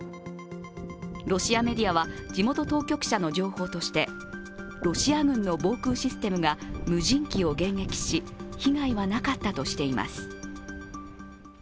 ロシアメディアは地元当局者の情報としてロシア軍の防空システムが無人機を迎撃し被害はなかったとしています。